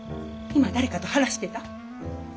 今誰かと話してた？